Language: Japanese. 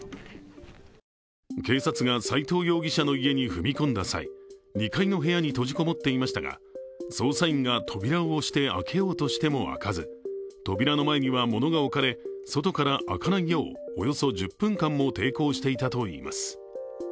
警察が斉藤容疑者の家に踏み込んだ際２階の部屋に閉じこもっていましたが、捜査員が扉を押して開けようとしても開かず、扉の前には物が置かれ外から開かないようおよそ１０分間も抵抗していたといいます。